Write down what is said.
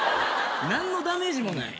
何のダメージもない。